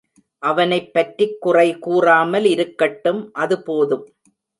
அவனைப்பற்றிக் குறைகூறாமல் இருக்கட்டும் அது போதும்.